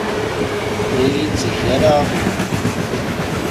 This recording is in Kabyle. Ur iyi-tteg ara aɣbel.